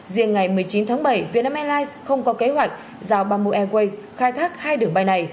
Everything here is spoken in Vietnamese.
riêng ngày một mươi chín tháng bảy vietnam airlines không có kế hoạch giao bamboo airways khai thác hai đường bay này